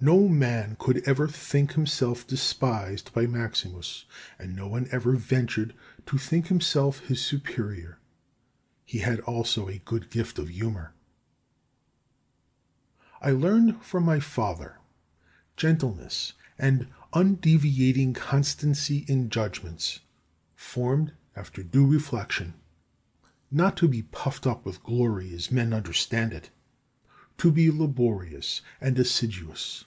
No man could ever think himself despised by Maximus, and no one ever ventured to think himself his superior. He had also a good gift of humour. 16. I learned from my father gentleness and undeviating constancy in judgments formed after due reflection; not to be puffed up with glory as men understand it; to be laborious and assiduous.